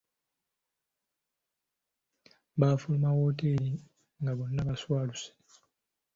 Baafuluma mu wooteeri nga bonna baswaluse.